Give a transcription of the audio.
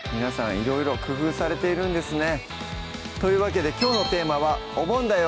いろいろ工夫されているんですねというわけできょうのテーマは「お盆だよ！